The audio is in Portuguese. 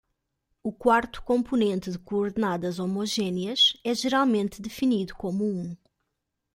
O quarto componente de coordenadas homogêneas é geralmente definido como um.